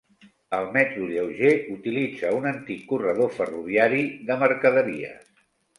El metro lleuger utilitza un antic corredor ferroviari de mercaderies.